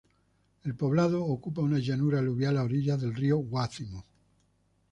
El poblado ocupa una llanura aluvial a orillas del río Guácimo.